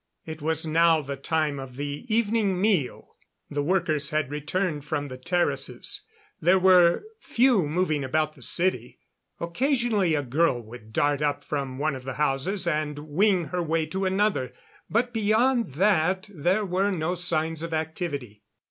It was now the time of the evening meal. The workers had returned from the terraces; there were few moving about the city. Occasionally a girl would dart up from one of the houses and wing her way to another, but beyond that there were no signs of activity.